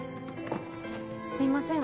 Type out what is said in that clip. すいません